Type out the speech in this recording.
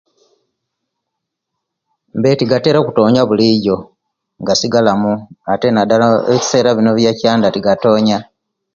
Mbe tegatera okutonya buli Jo gasigala mu ate nadala ebisera bino ebyekyanda tegatonya